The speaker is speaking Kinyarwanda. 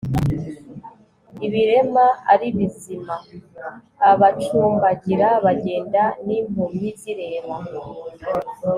ibirema ari bizima, abacumbagira bagenda, n'impumyi zireba